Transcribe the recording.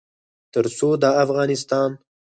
تر څو د افغانستان